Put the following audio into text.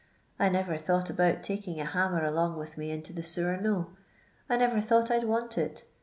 I never thought about taking a hammer along with me into the sewer, no ; I never thought I 'd want it.